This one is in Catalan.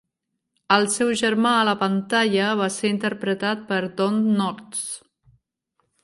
El seu germà a la pantalla va ser interpretat per Don Knotts.